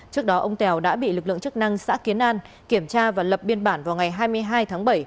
trước đó ông tèo đã bị lực lượng chức năng xã kiến an kiểm tra và lập biên bản vào ngày hai mươi hai tháng bảy